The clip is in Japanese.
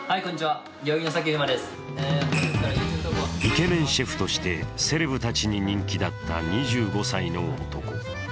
イケメンシェフとしてセレブたちに人気だった２５歳の男。